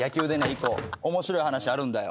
１個面白い話あるんだよ。